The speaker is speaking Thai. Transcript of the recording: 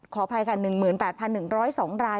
ขออภัยค่ะ๑๘๑๐๒ราย